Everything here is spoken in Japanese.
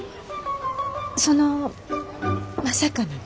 そのまさかなの。